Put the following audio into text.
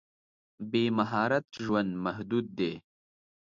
بې مهارت ژوند محدود دی.